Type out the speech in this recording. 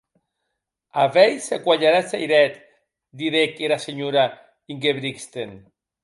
A veir se cuelheratz hered, didec era senhora Ingebrigsten.